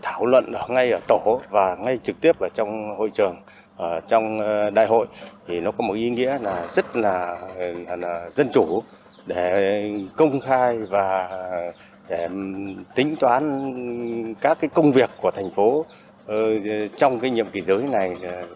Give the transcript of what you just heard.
thảo luận ở ngay ở tổ và ngay trực tiếp trong hội trường trong đại hội thì nó có một ý nghĩa là rất là dân chủ để công khai và tính toán các công việc của thành phố trong cái nhiệm kỳ tới này